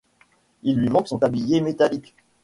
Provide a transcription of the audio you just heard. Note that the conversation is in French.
Il lui manque son tablier métallique.